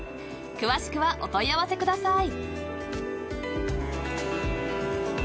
［詳しくはお問い合わせください］